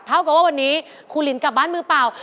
เท่ากับว่าวันนี้ครูลินกลับบ้านมือเปล่า